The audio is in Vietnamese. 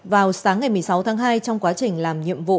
vào sáng ngày một mươi sáu tháng hai trong quá trình làm nhiệm vụ